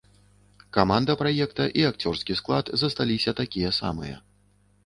Каманда праекта і акцёрскі склад засталіся такія самыя.